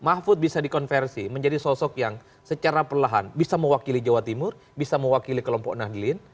mahfud bisa dikonversi menjadi sosok yang secara perlahan bisa mewakili jawa timur bisa mewakili kelompok nahdlin